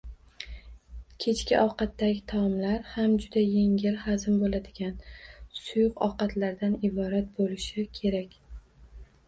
Kechki ovqatdagi taomlar ham juda yengil hazm boʻladigan suyuq ovqatlardan iborat boʻlishi kerak.